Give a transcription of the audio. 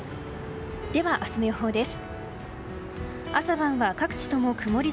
では明日の予報です。